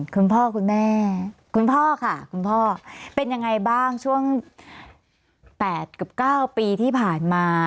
คุณพ่อค่ะคุณพ่อเป็นยังไงบ้างช่วง๘กับ๙ปีที่ผ่านมา